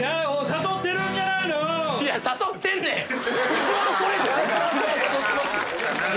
一番ストレートよ！